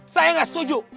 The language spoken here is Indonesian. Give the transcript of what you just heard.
saya gak setuju